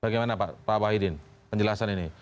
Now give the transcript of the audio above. bagaimana pak wahidin penjelasan ini